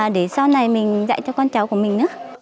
để sau này mình dạy cho con cháu của mình